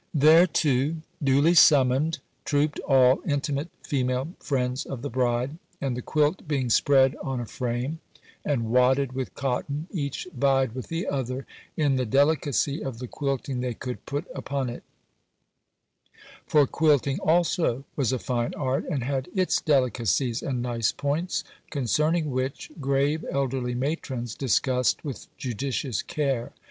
Thereto, duly summoned, trooped all intimate female friends of the bride, and the quilt being spread on a frame, and wadded with cotton, each vied with the other in the delicacy of the quilting they could put upon it; for quilting also was a fine art, and had its delicacies and nice points, concerning which, grave, elderly matrons discussed with judicious care.